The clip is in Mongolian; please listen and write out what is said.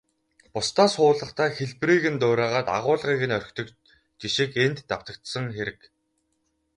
Бусдаас хуулахдаа хэлбэрийг нь дуурайгаад, агуулгыг нь орхидог жишиг энд давтагдсан хэрэг.